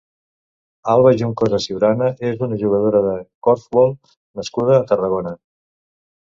Alba Juncosa Ciurana és una jugadora de corfbol nascuda a Tarragona.